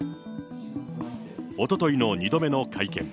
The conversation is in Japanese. おとといの２度目の会見。